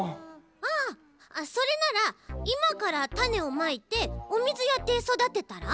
ああそれならいまからたねをまいておみずやってそだてたら？